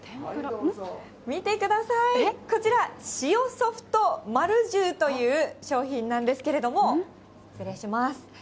見てください、こちら、塩そふと丸十という商品なんですけれども、失礼します。